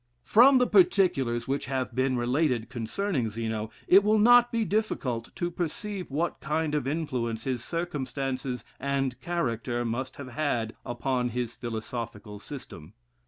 From the particulars which have been related concerning Zeno, it will not be difficult to perceive what kind of influence his circumstances and character must have had upon his philosophical system.